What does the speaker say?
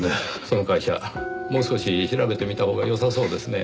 その会社もう少し調べてみたほうがよさそうですね。